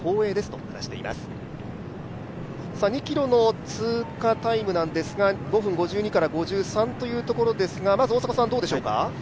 ２ｋｍの通過タイムは５分５２から５３というところですが、どうでしょうか？